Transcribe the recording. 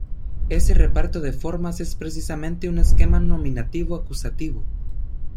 Ese reparto de formas es precisamente un esquema nominativo-acusativo.